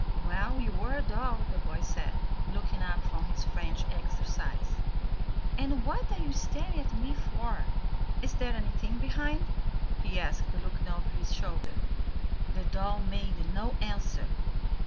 "Well, you are a doll," the boy said, looking up from his French exercise. "And what are you staring at me for is there anything behind?" he asked, looking over his shoulder. The doll made no answer.